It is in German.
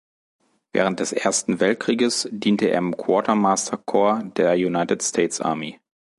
Während des Ersten Weltkrieges diente er im "Quartermaster Corps" der United States Army.